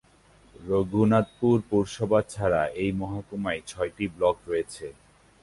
রঘুনাথপুর পুরসভা ছাড়া এই মহকুমায় ছয়টি ব্লক রয়েছে।